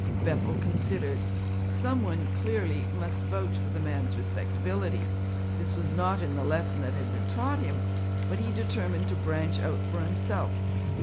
Beppo considered. Some one, clearly, must vouch for the man's respectability. This was not in the lesson that had been taught him, but he determined to branch out for himself.